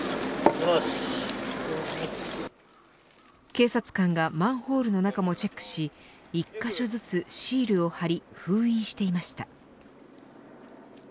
警察官がマンホールの中もチェックし一カ所ずつシールを貼り封印していました。